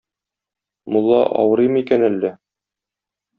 Мулла авырыймы икән әллә?